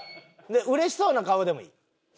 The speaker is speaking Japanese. うれしそうな顔でもいい。